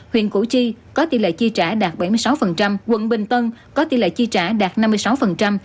huyện củ chi có tỷ lệ chi trả đạt bảy mươi sáu quận bình tân có tỷ lệ chi trả đạt năm mươi sáu